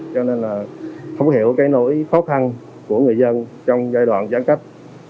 cho nên không hiểu nỗi khó khăn của người dân trong giai đoạn giãn cách